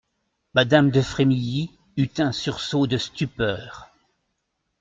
Madame de Frémilly eut un sursaut de stupeur.